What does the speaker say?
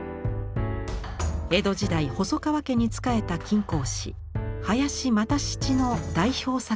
江戸時代細川家に伝えた金工師林又七の代表作の一つ。